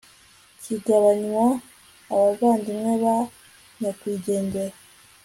kigabanywa abavandimwe ba nyakwigendera